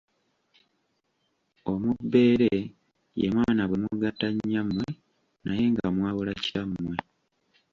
Omubbeere ye mwana bwe mugatta nnyammwe naye nga mwawula kitammwe.